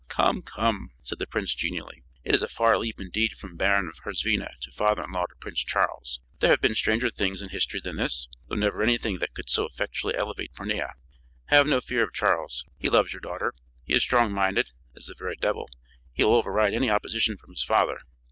"Come, come!" said the prince genially. "It is a far leap indeed from Baron of Herzvina to father in law to Prince Charles, but there have been stranger things in history than this, though never anything that could so effectually elevate Pornia. Have no fear of Charles. He loves your daughter; he is strong minded as the very devil; he will override any opposition from his father.